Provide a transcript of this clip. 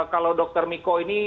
kalau dokter miko ini